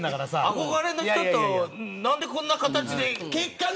憧れの人と何でこんな形で。